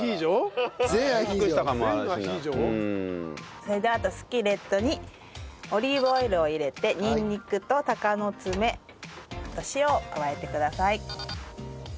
それではスキレットにオリーブオイルを入れてにんにくと鷹の爪塩を加えてください。